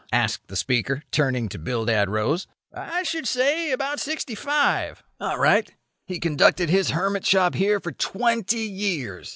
asked the speaker, turning to Bildad Rose. "I should say about sixty five." "All right. He conducted his hermit shop here for twenty years.